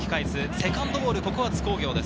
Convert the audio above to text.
セカンドボール、ここは津工業です。